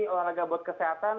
olahraga buat kesehatan